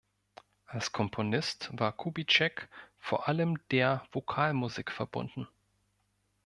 Als Komponist war Kubizek vor allem der Vokalmusik verbunden.